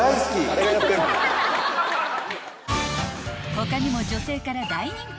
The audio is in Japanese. ［他にも女性から大人気］